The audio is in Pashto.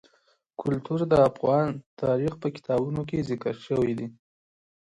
کلتور د افغان تاریخ په کتابونو کې ذکر شوی دي.